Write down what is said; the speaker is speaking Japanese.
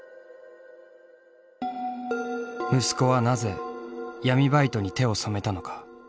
息子はなぜ闇バイトに手を染めたのか。